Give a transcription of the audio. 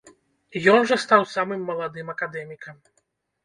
Ён жа стаў самым маладым акадэмікам.